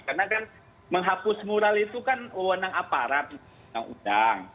karena menghapus mural itu kan menurut aparat yang diundang